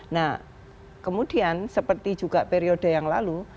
nah kemudian seperti juga periode yang lalu